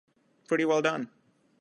Pretty well done!